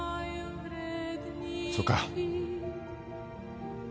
そうか